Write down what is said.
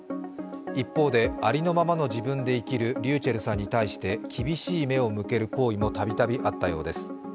一方で、ありのままの自分で生きるｒｙｕｃｈｅｌｌさんに対して厳しい目を向ける行為も度々あったようです。